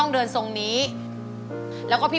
สวัสดีครับ